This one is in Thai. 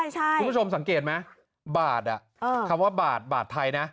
คุณผู้ชมสังเกตไหมบาทคำว่าบาทบาทไทยนะ